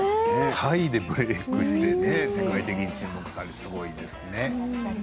タイでブレークして世界的に注目されてすごいですね。